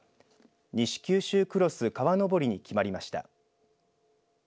西九州クロス川登に決まりました。